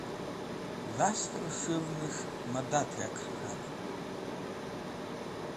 Dhast rẽs̃hũvnẽs̃h mẽdad k̃hakẽr k̃hanẽn.